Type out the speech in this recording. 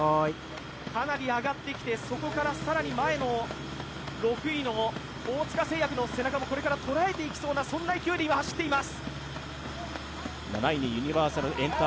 かなり上がってきて、そこから更に前の６位の大塚製薬の背中もこれから捉えていきそうな勢いで今、走っています。